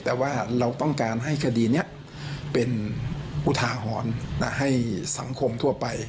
แต่ว่าเราต้องการให้คดีนี้เป็นอุทาหรณ์ให้สังคมทั่วไป